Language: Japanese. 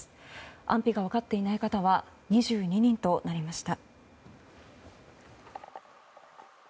安否が分かっていない方は２２人となりました。